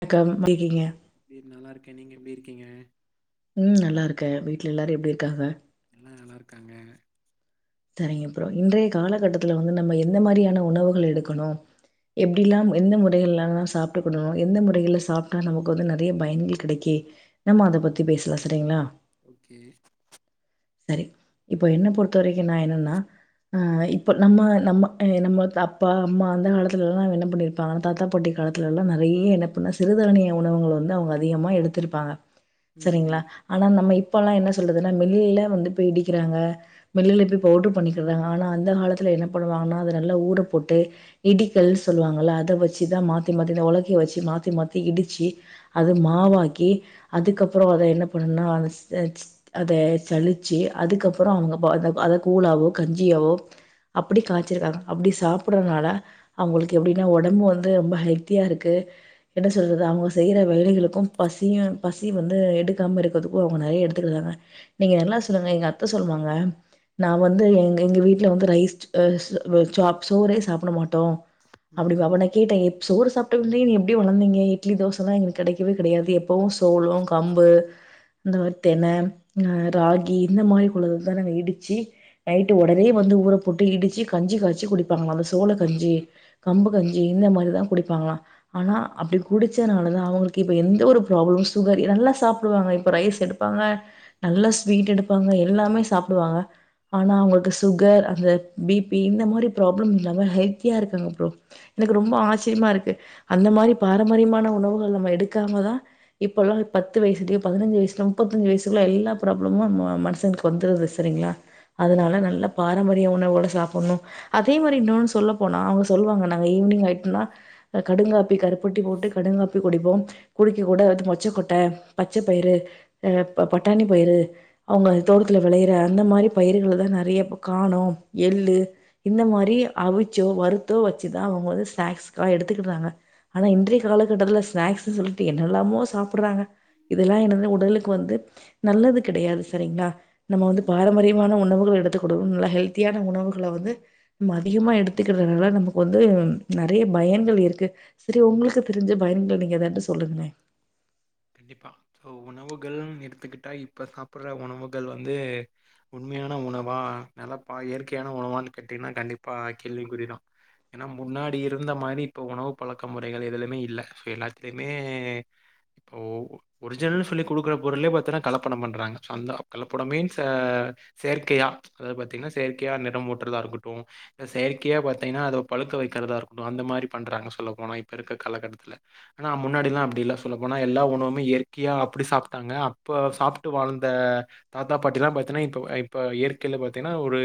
வணக்கம் எப்டி இக்கீங்க நல்லாயிருக்கே நீங்க எப்டி இருக்கீங்க ம் நல்லா இருக்கே வீட்டுல எல்லாரு எப்டி இருக்காங்க எல்லா நல்லா இருக்காங்க சரிங்க ப்ரோ இன்றைய காலகட்டத்துல வந்து நம்ம எந்த மாரியான உணவுகள் எடுக்கணு ம் ம் எப்டிலாம் எந்த முறைகள்லா சாப்ட்டுக்ணு எந்த முறைகள்ல சாப்பிட்டா நமக்கு வந்து நெறைய பயன்கள் கிடைக்கி நம்மோ அத பத்தி பேசலா சரிங்ளா ஒகே சரி இப்ப என்ன பொறுத்த வரைக்கு நா என்னன்னா ஆ இப்ப நம்ம நம்ம நம்ம அப்பா அம்மா அந்த காலத்துல எல்லா என்ன பண்ணிருப் பாங்க தாத்தா பாட்டி காலத்துல எல்லா நெறைய என்னப் பண்ர சிறுதானிய உணவுங்கள் வந்து அவ்ங்க அதிகமா எடுத்திருப்பாங்க ம் சரிங்களா ம் ஆனா நம்ம ம் இப்பல்லா என்ன சொல்றதுன்னா மில்லுல வந்து போய் இடிக்கிறாங்க மில்லுல போய் பவுடர் பண்ணிக்கறாங்க ஆனா அந்த காலத்துல என்ன பண்ணுவாங்கன்னா அத நல்லா ஊற போட்டு இடிக்கல்னு சொல்லுவாங்கல்ல அத வெச்சுதா மாத்தி மாத்தி உலக்க வெச்சு மாத்தி மாத்தி இடிச்சி அது ம் ம் மாவாக்கி அதுக்கப்புறோ அத‌என்ன பண்ணுன்னா அத அத சலிச் சி அதுக்கப்புறோ அவங்க அத கூழாவோ கஞ்சியாவோ அப்டி காய்ச்சிருக்காங்க அப்டி சாப்பறனால அவ்ங்களுக்கு எப்புடின்னா உடம்பு வந்து ரொம்ப ஹெல்தியா இருக்கு என்ன சொல்றது அவங்க செய்ற வேலைகளுக்கு பசியும் பசி வந்து எடுக்காமல் இருக்கிறதுக்கும் அவங்க நெறைய எடுத்துக்கிறாங்க நீங்க என்னா சொல்லுங்க எங்க அத்த சொல்லுவாங்க நா வந்து எங்க வீட்டுல வந்து ரைஸ் சாப் சோரே சாப்ட மாட்டோ ம் அப்டி அப்ப நா கேட்டே சோறு சாப்ட்டே நீ எப்டி வளந்திங்க இட்லி தோசல்லா எங்குளுக் கெடைக்கவே கெடையாது எப்பவு சோளோ கம்பு இந்த மாரி தென ராகி இந்த மாரி உள்ளததா நாங்க இடிச்சி நைட்டு உடனே வந்து ஊற போட்டு இடிச்சி கஞ்சி காய்சு குடிப்பாங்களா அந்த சோள கஞ்சி கம்பு கஞ்சி இந்த மாரிதா குடிப்பாங்களா ஆனா அப்டி குடிச்சதுனாலதா அவங்களுக்கு இப்ப எந்த ஒரு ப்ராப்ளமு சுகர் நல்லா சாப்புடுவாங்க இப்ப ரைஸ் எடு ப்பாங்க நல்லா ஸ்வீட் எடுப்பாங்க எல்லாமே சாப்புடுவாங்க ஆனா அவங்களுக்கு சுகர் அந்த பி பி இந்த மாரி ப்ராப்ளம் இல்லாமே ஹெல்த்தியா இருக்காங்க ப்ரோ எனக்கு ரொம்ப ஆச்சரியமா இருக்கு அந்த மாரி பாரம்பரியமான உணவுகள் நம்ம எடுக்காம தா இப்பல்லா பத்து வயசுலயே பதினஞ்சு வயசுலயே முப்பத்தஞ்சு வயசுல எல்லாம் ப்ராப்ளமும் மனுசனுக்கு வந்துடுது சரிங்களா ம் ம் அதனால நல்லப் பாரம்பரிய உணவுகள சாப்ட்ணு அதே மாரி இன்னொன்னு சொல்ல போனா அவுங்க சொல்லுவாங்க நாங்க ஈவ்னிங் ஆய்டோனா கடுங்காப்பி கருப்பட்டி போட்டு கடுங்காப்பி குடிப்போம் குடிக்க கூட வெது மொச்ச கொட்ட பச்ச பயிறு அ பட்டாணி பயிறு அவுங்க தோட்டத்துல வெளையிற அந்த மாரி பயிர்கள தா நெறைய இப்ப காணோ எள்ளு இந்த மாரி அவிச்சோ வருத்தோ வச்சுதா அவுங்க வந்து ஸ்நாக்ஸ்கா எடுத்துக்கிறாங்க ஆனா இன்றைய காலகட்டத்துல ஸ்நாக்ஸ்ன்னு சொல்லிட்டு என்னெல்லாமோ சாப்புறாங்க இதெல்லா என்னது உடலுக்கு வந்து நல்லது கெடையாது சரிங்ளா நம்ம வந்து ம் ம் பாரம்பரியமான உணவுகள் எடுத்து குடு நல்ல ஹெல்தியான உணவுகள வந்து நம்ம அதிகமா எடுத்துக்கறதுனால நமக்கு வந்து நெறைய பயன்கள் இருக்கு செரி உங்களுக்கு தெரிஞ்ச பயன்ங்கள் நீங்க ஏதாட்டு சொல்லுங்களே கண்டிப்பா சோ உணவுகள்னு எடுத்துக்கிட்டா இப்ப சாப்புற உணவுகள் வந்து உண்மையான உணவா நெலப்பா இயற்கையான உணவா கேட்டீங்கனா கண்டிப்பா கேள்விக்குறிதா ஏன்னா முன்னாடி இருந்த மாரி இப்ப உணவு பழக்க முறைகள் எதுலுமே இல்ல எல்லாத்துலயுமே [inaudible] ஒரிஜினல்ன்னு சொல்லி குடுக்கற பொருலே பாத்தீன்னா கலப்பட பண்றாங்க சோ அந்த கலப்படமே மீன்ஸ் ஆ செயற்கையா அதாவது பாத்தீங்கனா செயற்கையா அந்த இட ஓட்றதா இருக்கட்டு செயற்கையா பாத்தீங்கனா அத பழுக்க வேக்கிறதா இருக்கட்டு அந்த மாரி பண்றாங்க சொல்ல போனா இப்ப இருக்கற காலக்கட்டத்துல ஆன முன்னாடி எல்லா அப்டி இல்ல சொல்ல போனா எல்லா உணவுமே இயற்கையா அப்டி சாப்ட்டாங்க அப்ப சாப்ட்டு வாழ்ந்த தாத்தா பாட்டி எல்லா பாத்தீன்னா இப்ப இப்ப இயற்கையில பாத்தீனா ஒரு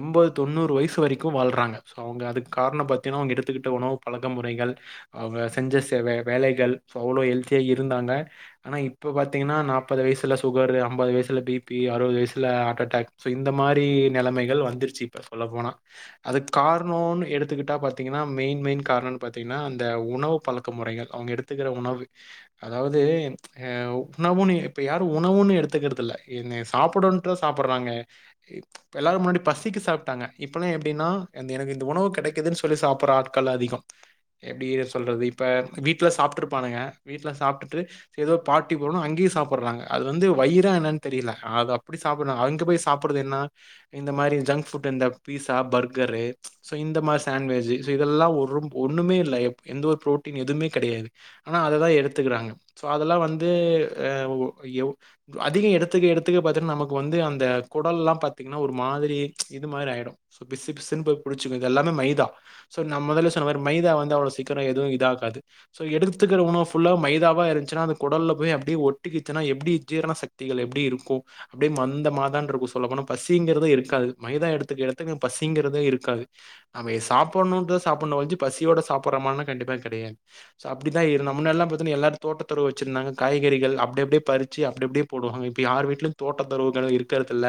எம்பது தொண்ணூறு வயசு வரைக்கு வாழ்றாங்க சோ அவுங்க அதுக்கு காரணம் பத்தீனாங்ன அவுங்க எடுத்துக்கிட்ட உணவு பழக்க முறைகள் அவ செஞ்ச வே வேலைகள் அவ்ளவு ஹெல்தியா இருந்தாங்க ஆனா இப்ப பாத்தீங்கனா நாற்பது வயசுல சுகர் அம்பது வயசுல பிபி அறுபது வயசுல ஹார்டு அடாக் சோ இந்த மாரி நெலமைகள் வந்துருச்சு இப்ப சொல்ல போனா அது காரணோ எடுத்துக்கிட்டா பாத்தீங்கனா மெயின் மெயின் காரணோ பாத்தீங்கனா அந்த உணவு பழக்க முறைகள் அவுங்க எடுத்து ஓத்துக்கிற உணவு அதாவது அ உணவுன்னு இப்ப யாரும் உணவுன்னு எடுத்துக்கறத இல்ல என்னய சாப்டட்டுனு சாப்றாங்க இ எல்லாரு முன்னாடி பசிக்கு சாப்டாங்க இப்பல்லா எப்டினா இந்த எனக்கு இந்த உணவு கெடைக்குதுனு சொல்லி சாப்ற ஆட்கள் அதிகோ எப்டி சொல்றது இப்ப வீடல சாப்ட்டுஇருப்பானுங்க வீட்ல சாப்ட்டுட்டு ஏதோ பார்ட்டி போனு அங்கயு சாப்றாங்க அது வந்து வயிறா என்ன தெரியல அது அப்டி சாப்பறாங்க அங்க போய் சாப் சாப்பறது என்ன இந்த மாரி ஜங்க் புட் இந்த பீஸா பர்கரு சோ இந்த மாரி சாண்வேஜ் இதெல்லா ஒரு ஒண்ணுமே இல்ல எந்த ஒரு ப்ரோட்டீன் எதுவுமே கெடையாது ஆனா அதெலா எடுத்துக்கறாங்க சோ அதெல்லா வந்து அ எ அதிகம் எடுத்துக்க எடுத்துக்க பாத்தீங்கனா நமக்கு வந்து அந்த குடல் எல்லா பாத்தீங்கனா ஒரு மாரி இது மாரி ஆயிடு பிசு பிசுன்னு போய் புடுச்சுக்கு இது எல்லாமே மைதா சோ நம்ம மொதல்ல சொன்ன மாரி மைதா வந்து அவ்ளவு சீக்கிர எதுவு இத ஆகாது சோ எடுத்துக்கிற உணவு ஃபுல்லா மைதாவா இருந்துச்சுனா அந்த குடல்ல போய் அப்டியே ஒட்டிக்கிச்சுனா எப்டி ஜீரண சக்திகள் எப்டி இருக்கு அப்டியே மந்த மா தா இருக்கு சொல்ல போனா பசிங்கிறதே இருக்காது மைதா எடுத்துக்க எடுத்துக்க பசிங்கிறதே இருக்காது நம்ம சாப்டணுனு சாப்டணுமே ஒழிஞ்சு பசியோட சாடப்றோமா கண்டிப்பா கெடையாது அப்டிதா இருந்தோ முன்னெல்லா எல்லாரு தோட்டந்தொரு வச்சிருந்தாங்க காய்கறிகள் அப்டிஅப்டி பறிச்சு அப்டி அப்டியே போடுவாங்க இப்ப யாரு வீட்ல தோட்ட தொரவுகள் இருக்கறது இல்ல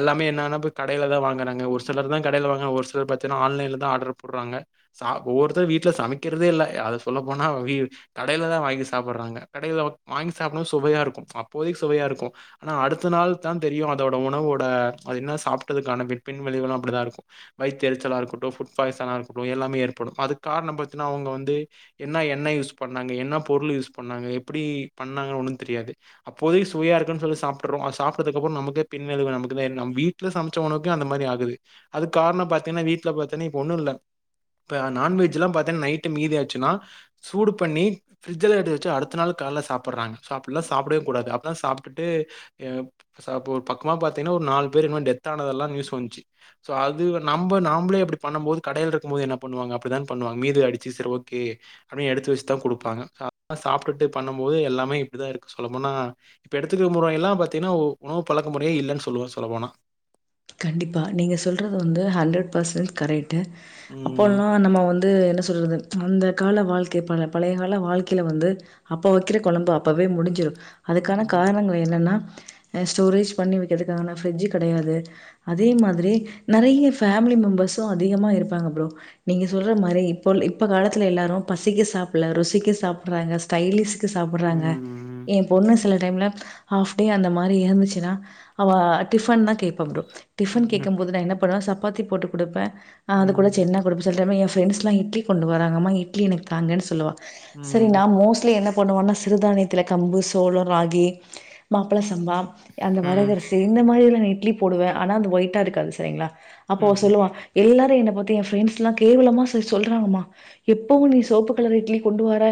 எல்லாமே என்னன்னா கடயில தா வாங்றாங்க ஒரு சிலர் தா கடயில வாங்றாங்க ஒரு சிலர் பாத்தீங்கனா ஆன்லைன்ல தா ஆர்டர் போடுறாங்க சா ஒவ்வொருத்தரு வீட்டுல சமக்கிறதே இல்லலே அத சொல்ல போனா கடயில தா வாங்கி சாப்படுறாங்க கடயில வாங்கி சாப்பிடு சுவையா இருக்கு அப்போதனைகு சுவையா இருக்கு ஆனா அடுத்த நாள் தா தெரியு அதோட உணவோட அது என்ன சாப்பட்டதுக்கான பின்விளைவுகளு அப்டிதாத இருக்கு வாயித்து தெரிச்சலா இருக்கட்டு புஃபுட் பாய்சனா இருக்கட்டு எல்லாமே ஏற்பாடு அதுக்கு காரண பாத்தீன்னா அவங்க வந்து என்ன என்ன யூஸ் பண்ணாங்க என்ன பொருள் யூஸ் பண்ணாங்க எப்படி பண்ணாங்கன்னு ஒண்ணு தெரியாது அப்போதேக்கு சுவையா இருக்குன்னு சொல்லி சாப்பட்டுறோ சாப்பட்டறதுக்குப்பறோ நமக்கே பின்விளைவு நமக்கு என்ன நம் வீட் வீட்ல சமைச்ச உணவுக்கு அந்த மாரி ஆகுது அதுக்கு காரணோ பாத்தீங்கன்னா வீட்டுல பாத்தீங்கன்னா இப்ப ஒண்ணு இல்ல இப்ப நான்வெஜ்ல்லா பாத்தின்னா நைட்டு மீதியாச்சுன்னா சூடு [unintelligible] பிரிஜ்ட்ல வச்ச அடுத்த நாள் கால சாப்பிடுறாங்க சாப்பிடவே கூடாது அப்டினா சாப்பிட்டு ஏ அப்ப ஒரு பக்கமா பாத்தீங்கன்னா ஒரு நாலு பேர் இன்னு டெத் ஆனதெல்லா நியூஸ் வந்துச்சு சோ அது நம்ம நம்மளே அப்டி பண்ணுபோது கடயில இருக்குபோது என்ன பண்ணுவாங்க அப்டித்தா பண்ணுவாங்க மீது ஆயிருச்சு சேரி ஓகே அப்படியே எடுத்து வெச்சு தா குடுப்பாங்க அ அதா சாப்பிட்டுட்டு பண்ணூ போது எல்லாமே இப்படிதா இருக்கு சொல்ல போன்னா இப்ப எடுத்துக்க முறை எல்லா பாத்தீங்கன்னா உ உணவு பழக்க முறையே இல்லேன்னு சொல்லுவெ சொல்ல போனா கண்டிப்பா நீங்க சொல்றது வந்து ஹண்ட்ரட் பசன்ட கரெக்ட் ங்க ம். அப்போல்லா நம்ம வந்து என்ன சொல்றது அந்த கால வாழ்க்கை பழ பழைய கால வாழ்க்கையில வந்து அப்ப வைக்கிற கொழம்பு அப்பவே முடிஞ்சிடும் அதுக்கான ம். காரணங்கள் என்னன்னா ‌அ ஸ்டோரேஜ் பண்ணி வைக்கிறதுக்காகான ஃப்ரிட்ஜ் கிடையாது அதே மாதிரி நெறய ஃபேமிலி மெம்பர்ஸும் அதிகமா இருப்பாங்க ப்ரோ நீங்க சொல்ற மாரி இப்போ இப்ப காலத்துல எல்லாரூ பசிக்கு சாப்பட்ல ருசிக்கு சாப்பற்றாங்க ஸ்டைலிஷ்கு சாப்பட்றாங்க ம். ஏ பொண்ணு சில டைம்ல ஹாஃப் டே அந்த மாதிரி இருந்துச்சுன்னா அவா டிஃபன் தா கேப்பா ப்ரோ ம். டிஃபன் கேக்கும் போது நா என்ன பண்ணுவே சப்பாத்தி போட்டு குடுப்பே அ ம். அது கூட ம். சென்னா குடுப் சொல்ற அவெ ஏ ஃபிரண்ட்ஸ்ல்லா இட்லி கொண்டு வராங்கம்மா இட்லி எனக்கு தாங்கன்னு சொல்லுவா சரி ம். நா மோஸ்லி என்ன போணோன்னா சிறுதானியத்துல கம்பு சோளம் ராகி மாப்பிளை சம்பா அந்த வரகரசி இந்த மாதிரில்லா நா இட்லி போடுவே ஆனா அது ஒயிட்டா இருக்காது சரிங்களா அப்போ அவெ சொல்லுவா எல்லாரூ என்னை பத்தி ஏ ஃப்ரெண்ட்ஸ்ல்லா கேவலமா செர் சொல்றாங்ம்மா எப்பவூ நீ சொவப்பு கலர் இட்லி கொண்டு வர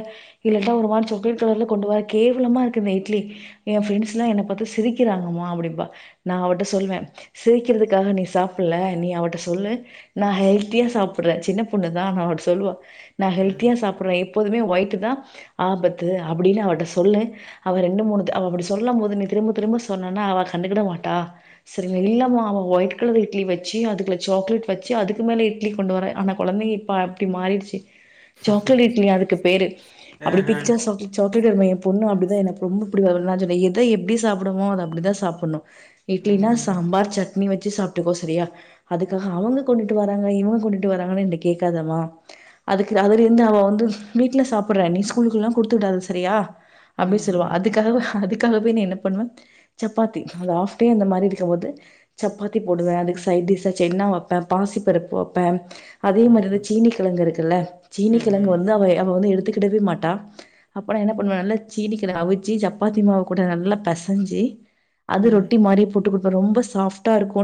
இல்லன்னா ஒரு மாரி சாக்லேட் கலர்ல கொண்டுவர கேவலமா இருக்குது இந்த இட்லி என் ஃப்ரெண்ட்ஸ்ல்லா என்ன பார்த்து சிரிக்கிறாங்கமா அப்படின்ம்பா நா அவகிட்ட சொல்லுவே சிரிக்கிறதுக்காக நீ சாப்பட்ல நீ அவகிட்ட சொல்லு நா ஹெல்த்தியா சாப்பட்றே சின்ன பொண்ணு தா அவ ‌அப்டி சொல்லுவா நா ஹெல்த்தியா சாப் பட்றே எப்போதுமே ஒயிட்டு தா ஆபத்து அப்படின்னு அவட்ட சொல்லு அவ ரெண்டு மூணு த அவெ அப்படி சொல்லும் போது நீ திரும்ப திரும்ப சொன்னன்னா அவெ கண்டுக்கிட மாட்டா சரி இல்லமா அவெ ஒயிட் கலர் இட்லி வெச்சி அதுக்குல்ல சாக்லேட் வெச்சி அதுக்கு மேலே இட்லி கொண்டு வரா ஆனா கெழந்தைங்க இப்போ இப்டி மாறிடுச்சு சாக்லேட் இட்லியா அதுக்கு பேரு அப்படி பிச்சா சாப்புட் சாக்லட் அருமை ஏ பொண்ணு அப்படிதா எனக்கு ரொம்ப பிடிவாதோ [unintelligible] எத எப்பிடி சாப்பிடமோ அத அப்படிதா சாப்பிட்னோ இட்லினா சாம்பார் சட்னி வச்சு சாப்ட்டுக்கோ சரியா அதுக்காக அவங்க கொண்டுட்டு வராங்க இவங்க கொண்டுட்டு வராங்கன்னு எங்கிட்ட கேக்காதம்மா அதுக்கு அதுல இருந்து அவெ வந்து வீட்டுல சாப்பிட்றே நீ ஸ்கூலுக்குல்லா குடுத்து விடாத சரியா அப்டி சொல்லுவா அதுக்காக அதுக்காகவே என்ன பண்ணுவே சப்பாத்தி அது ஆஃப் டே அந்த மாதிரி போது சப்பாத்தி போடுவே அதுக்கு சைட் டிஷா சென்னா வெப்பே பாசி பருப்பு வெப்பே அதே மாதிரிதா சீனி கிழங்கு இருக்குல்ல சீனிக் கிழங்கு வந்து அவ அவ வந்து எடுத்துக்கிடவே மாட்டா அப்ப நா என்ன பண்ணுவே நல்லா சீனி கிழங்க அவிச்சி சப்பாத்தி மாவு கூட நல்லா பெசஞ்சு அது ரொட்டி மாரி போட்டு குடுப் ரொம்ப சாஃப்டா இருக்கூ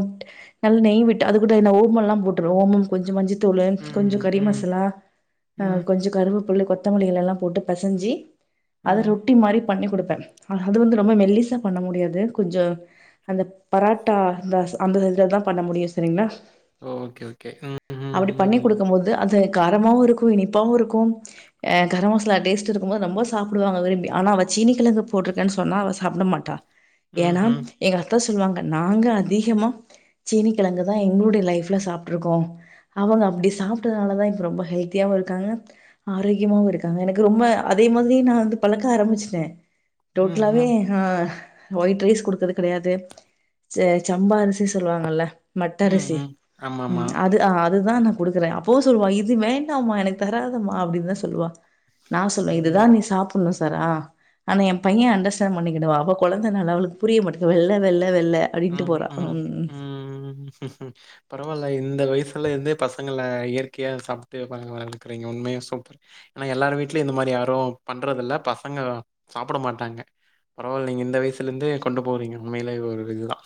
நல்லா நெய் விட்டு அதுகூட இந் ஓமல்லா போட்டு ஓமம் கொஞ்சொ மஞ்ச தூளு கொஞ்சொ கறி மசாலா ஆ கொஞ்சொ கருவேப்புல்ல கொத்தமல்லில்லா போட்டு பெசஞ்சி அது ரொட்டி மாறி பண்ணி கொடுப்பே அது வந்து ரொம்ப மெல்லீசா பண்ண முடியாது கொஞ்சோ அந்த பராட்டா இந்த அந்த இதுல தா பண்ண முடியூ சரிங்களா ம் ஓகே ஓகே ம் அப்படி பண்ணி குடுக்கும்போது அது காரமாவூ இருக்கோ இனிப்பாவூ இருக்கோ அ கர மசாலா டேஸ்ட் இருக்கு போது ரொம்ப சாப்பிடுவாங்க விரும்பி ஆனா அவ சீனிகிழங்கு போட்டிருக்கேன் சொன்னா அவ சாப்பிட மாட்டா ஏன்னா ம்ஹ்ம். எங்க அத்த சொல்லுவாங்க நாங்க அதிகமா சீனி கிழங்கு தா எங்களுடைய லைஃப்ல சாப்ட்டுருக்கோ அவங்க அப்டி சாப்பிட்டதுனாலதா இப்ப ரொம்ப ஹெல்த்தியாவூ இருக்காங்க ஆரோக்கியமாவு இருக்காங்க எனக்கு ரொம்ப அதே மாதிரி நா வந்து பழக்க ஆரம்பிச்சட்டே டோட்லாவே ம்ஹ்ம். ஆ ஒயிட் ரைஸ் குடுக்குற கடையாது செ சம்பா அரிசி சொல்லுவாங்கல்ல மட்ட அரிசி ம்ஹ்ம். ம் ஆமாமா. அது ஆ அதுதா ந குடுக்குறே அப்பவு சொல்லுவா இது வேண்டாம்மா எனக்கு தராதம்மா அப்டின் தா சொல்லுவா நா சொல்வே இதுதா ம். நீ சாப் புன்னு சொரா ஆனா எ பைய அண்டர்ஸ்டாண்ட் பண்ணிக்கடுவா அவ கொழந்தனால அவளுக்கு புரிய மாட்டுது வெள்ள வெள்ள வெள்ள அப்படின்ட்டு ஆம் போறா. ஆ ம். ம் பரவால்ல இந்த வயசுல இருந்தே பசங்கள இயற்கையா சாப்ட்டு [unintelligible] வளக்கிறீங்க உண்மையா சூப்பர் ஏனா எல்லாரு வீட்லயு இந்த மாரி யாரோ பண்றது இல்ல பசங்க சாப்ட மாட்டாங்க பரவால்லைங்க இந்த வயசுலருந்தே கொண்டு போறீங்க உண்மையில இது ஒரு இதுதா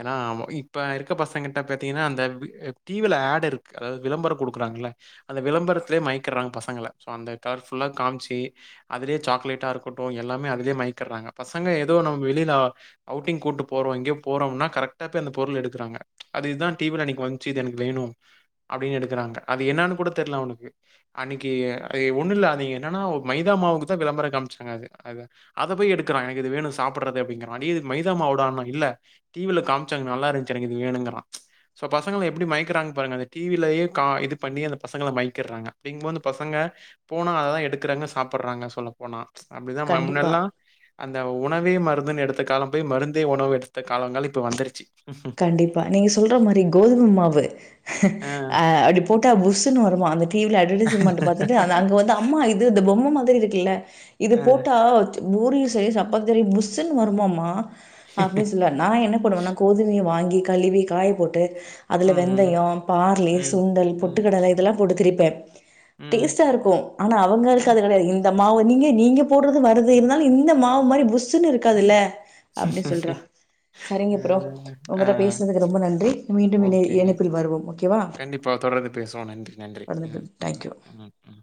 ஏனா ம இப்ப இருக்க பசங்கட்ட பாத்தீங்கன்னா அந்த வி அ டி வி ல அட் இருக்கு அதாவது விளம்பரோ குடுக்குறாங்கல்ல அந்த விளம்பரத்துலே மயக்கிறாங்க பசங்கள சோ அந்த கலர்ஃபுல்லா காமிச்சி அதுலயே சாக்லேட்டா இருக்கட்டு எல்லாமே அதுலே மயக்கிறாங்க பசங்க ஏதோ நம் வெளிலா அவுட்டிங் கூட்டு போறோ எங்கோ போறோம்னா கரெக்டா போய் அந்த பொருள எடுக்கிறாங்க அது இதா டி வி ல அன்னைக்கு வந்துச்சி இது எனக்கு வேணு அப்டின் எடுக்குறாங்க அது என்னானு கூட தெர்ல அவனுக்கு அன்னைக்கு அய் ஒண்ணு இல்ல நீங்க என்னன்னா ஒ மைதா மாவுக்கு தா விளம்பறோ காமிச்சாங்க அது அது அத போய் எடுக்கிறா எனக்கு இது வேண சாப்புட்டுறது அப்பிடிங்கறா டெய் இது மைதா மாவுடான்ன இல்ல டி வி ல காமிச்சாங்க நல்லா இருந்துச்சு எனக்கு இது வேணுங்கிறா சோ பசங்கள எப்டி மயக்கறாங் பாருங்க அந்த டி வி லேயே கா இது பண்ணி அந்த பசங்கள மயக்கிட்றாங்க அப்டிங்கபோ அந்த பசங்க போனா அததா எடுக்குறாங்க சாப்புட்றாங்க சொல்ல போனா அப்டிதா மா கண்டிப்பா. முன்னால்லா அந்த உணவே மருந்துன்னு எடுத்த காலோ போய் மருந்தே உணவு எடுத் த காலங்கள் இப்ப வந்துருச்சு கண்டிப்பா நீங்க சொல்ற மாரி கோதும மாவு ஆ. அ அடிப் போட்டா புஸ்ஸுன்னு வருமா அந்த டிவில ஆ. அட்வெடைஸ்மென்ட் பாத்துட்டு ஆனா அங்க வந்து அம்மா இது இந்த பொம்ம மாரி இருக்குல்ல இது போட்டா பூரியு சய் சப்பாத் சரி புஸ்ஸுனு வருமாமா அப்டி சொல்வா நா என்ன பண்ணுவேனா கோது மை வாங்கி கழுவி காய போட்டு ம். அதில ம் வெந்தயோ பார்லி ம். சுண்டல் ம். பொட்டுக்கடல இதெல்லா போட்டு திரிப்பே ம். டேஸ்ட்டாருக்கோ ஆனா அவங்களுக்கு ம். அது கெடையா இந் த மாவு நீங்க நீங்க போட்றது வருது இருந்தாலு இந்த மாவு மாரி புஸ்ஸுன்னு இருக்காதுல்ல அப்டி சொல்றா சரிங்க ப்ரோ அ ஆ உங்கட்ட பேசுனதுக்கு ரொம்ப நன்றி மீண்டு இணை ஓகே. இணைப்பில் வருவோ ஓக்கேவா கண்டிப்பா தொடர்ந்து பேசுவோம். நன்றி, நன்றி. ம். [unintelligible] தேங்க் யூ ம் ம்